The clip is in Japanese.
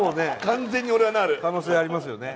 完全に俺はなる可能性ありますよね